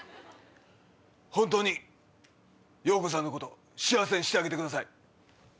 本当にヨウコさんのこと幸せにしてあげてください。